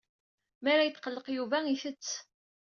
Mi ara yetqelleq Yuba itett.